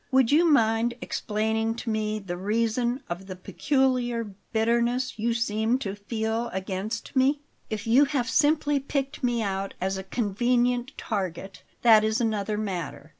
Would you mind explaining to me the reason of the peculiar bitterness you seem to feel against me? If you have simply picked me out as a convenient target, that is another matter.